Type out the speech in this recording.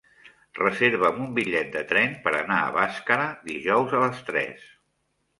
Reserva'm un bitllet de tren per anar a Bàscara dijous a les tres.